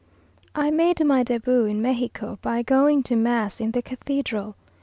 I made my début in Mexico by going to mass in the cathedral.